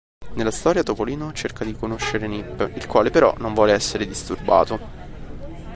Nella storia Topolino cerca di conoscere Nip, il quale però non vuole essere disturbato.